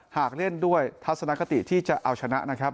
หากเล่นด้วยทัศนคติที่จะเอาชนะนะครับ